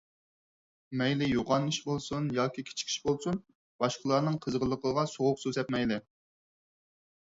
مەيلى يوغان ئىش بولسۇن ياكى كىچىك ئىش بولسۇن، باشقىلارنىڭ قىزغىنلىقىغا سوغۇق سۇ سەپمەيلى.